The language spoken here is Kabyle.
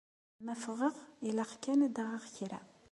Ma ffɣeɣ ilaq kan ad d-aɣeɣ kra.